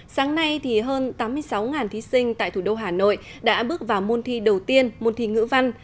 sáng nay thì hơn tám mươi sáu thí sinh tại thủ đô hà nội đã bước vào môn thi đầu tiên môn thi ngữ văn